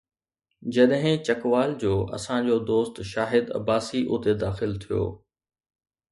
جڏهن چکوال جو اسان جو دوست شاهد عباسي اتي داخل ٿيو.